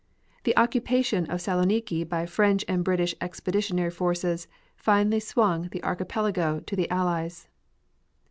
The occupation of Saloniki by French and British expeditionary forces finally swung the archipelago to the Allies.